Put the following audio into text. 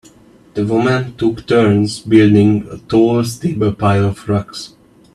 The women took turns building a tall stable pile of rocks.